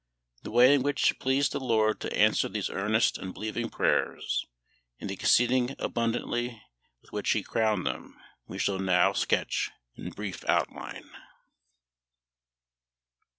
The way in which it pleased the LORD to answer these earnest and believing prayers, and the "exceeding abundantly" with which He crowned them, we shall now sketch in brief outline.